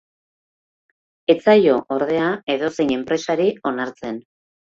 Ez zaio, ordea, edozein enpresari onartzen.